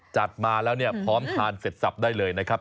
จัดมาแล้วพร้อมทานเสร็จสรรพได้เลยนะครับ